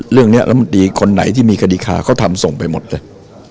เรื่องนี้แล้วบางทีคนไหนที่มีคดีคาเขาทำส่งไปหมดเลย